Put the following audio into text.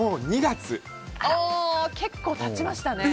結構経ちましたね。